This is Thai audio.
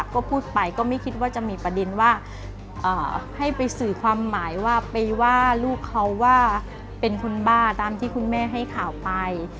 ก็พูดไปก็ไม่คิดว่าจะมีประเด็นว่าให้ไปสื่อความหมายว่าไปว่าลูกเขาว่าเป็นคนบ้าตามที่คุณแม่ให้ข่าวไป